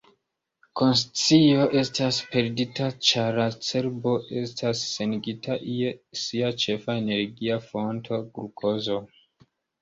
Konscio estas perdita ĉar la cerbo estas senigita je sia ĉefa energia fonto, glukozo.